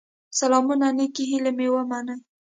سلامونه نيکي هيلي مي ومنئ